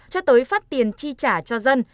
cho tới phát tiền tri trả cho dân